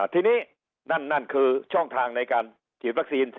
ทีนี้นั่นคือช่องทางในการฉีดวัคซีน